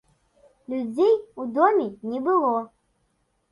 Людзей у доме не было.